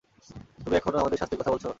তুমি এখনও আমাদের শাস্তির কথা বলছ?